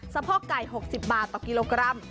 พ่อไก่๖๐บาทต่อกิโลกรัม